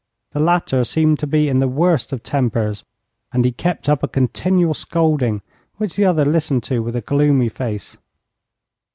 The latter seemed to be in the worst of tempers, and he kept up a continual scolding, which the other listened to with a gloomy face.